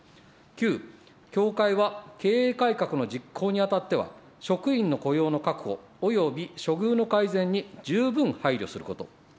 ９、協会は経営改革の実行にあたっては、職員の雇用の確保および処遇の改善に十分配慮すること。